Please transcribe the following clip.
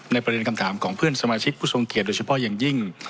ประเด็นคำถามของเพื่อนสมาชิกผู้ทรงเกียจโดยเฉพาะอย่างยิ่ง